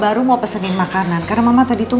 baru mau pesenin makanan karena mama tadi tuh